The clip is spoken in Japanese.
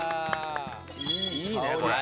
いいねこれ。